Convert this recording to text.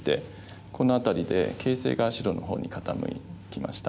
この辺りで形勢が白のほうに傾きました。